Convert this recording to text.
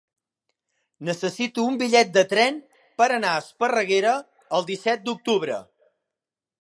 Necessito un bitllet de tren per anar a Esparreguera el disset d'octubre.